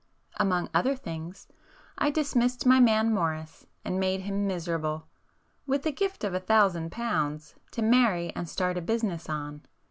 Among other things, I dismissed my man Morris, and made him miserable,—with the gift of a thousand pounds, to marry and start a business on.